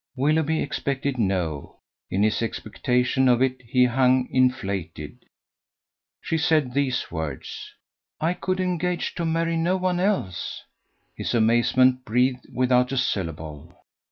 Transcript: Willoughby expected no. In his expectation of it he hung inflated. She said these words: "I could engage to marry no one else." His amazement breathed without a syllable.